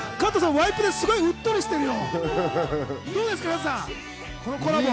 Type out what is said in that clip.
ワイプですごいうっとりしてるよ。